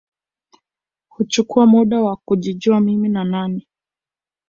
Huchukua muda wa kujijua mimi ni nani